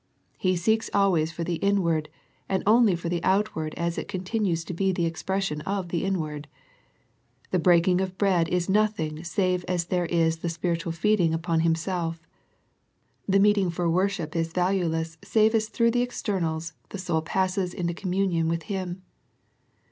He seeks always for the inward, and only for the outward as it continues to be the expression of the inward. The breaking of bread is nothing save as there is the spiritual feeding upon Him self. The meeting for worship is valueless save as through the externals, the soul passes into communion with Him.